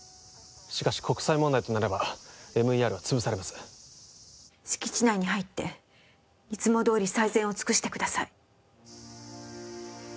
しかし国際問題となればＭＥＲは潰されます敷地内に入っていつもどおり最善を尽くしてください